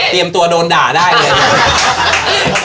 เตรียมตัวโดนด่าได้เลย